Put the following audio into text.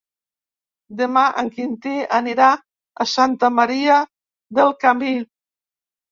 Demà en Quintí anirà a Santa Maria del Camí.